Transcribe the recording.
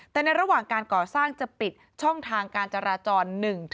แต่ในระหว่างการก่อสร้างจะปิดช่องทางการจราจร๑๗